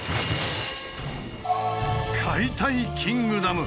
「解体キングダム」。